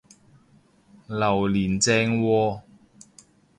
榴槤正喎！